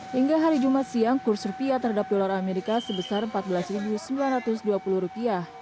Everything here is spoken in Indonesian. hingga hari jumat siang kurs rupiah terhadap dolar amerika sebesar rp empat belas sembilan ratus dua puluh